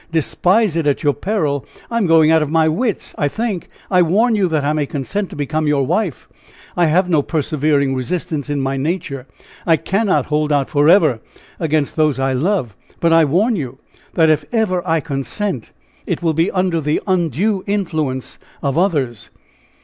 despise it at your peril! I am going out of my wits, I think! I warn you that I may consent to become your wife! I have no persevering resistance in my nature. I cannot hold out forever against those I love. But I warn you, that if ever I consent, it will be under the undue influence of others!"